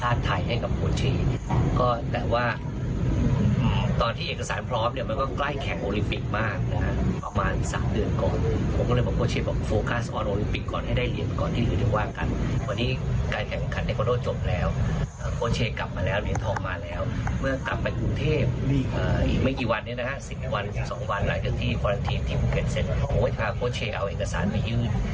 โอ้โหถ้าโคชเชลล์เอาเอกสารมายืนที่กรมสมบัติบที่ขอสัญชาติไทย